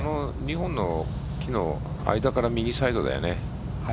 ２本の木の間から右サイドだよね。